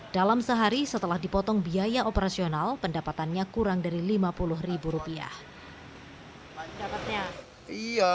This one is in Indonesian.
dalam sehari setelah dipotong biaya operasional pendapatannya kurang dari rp lima puluh dapatnya iya